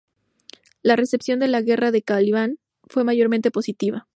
La recepción de "La Guerra de Calibán" fue mayormente positiva.